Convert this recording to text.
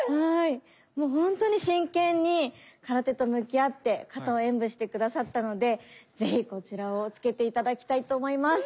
もう本当に真剣に空手と向き合って形を演舞して下さったので是非こちらをつけて頂きたいと思います。